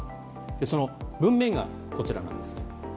その文面がこちらです。